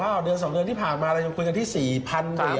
เดือน๒เดือนที่ผ่านมาเรายังคุยกันที่๔๐๐๐เหรียญ